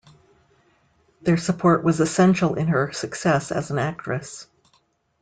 Their support was essential in her success as an actress.